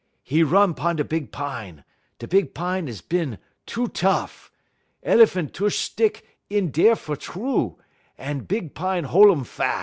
"'E run 'pon da big pine; da big pine is bin too tough. El'phan' tush stick in deer fer true; da big pine hol' um fas'.